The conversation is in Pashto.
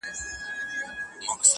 د باغلیو ذخیرې سوې مکتبونه -